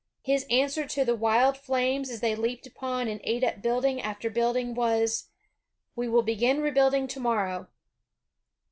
His answer to the wild flames as they leaped upon and ate up building after building was, "We will begin rebuilding to morrow."